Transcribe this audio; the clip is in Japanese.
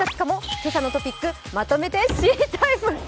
「けさのトピックまとめて知りＴＩＭＥ，」